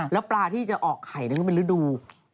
แล้วปลาที่จะออกไข่นั้นก็เป็นฤดู